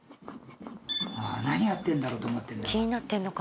何やってんだろう？と思ってんだわ。